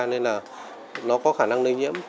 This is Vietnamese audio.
nên là nó có khả năng nây nhiễm